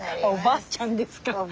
おばあちゃんですか？